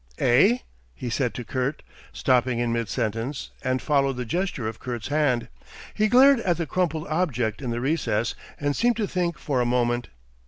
"Eh?" he said to Kurt, stopping in mid sentence, and followed the gesture of Kurt's hand. He glared at the crumpled object in the recess and seemed to think for a moment.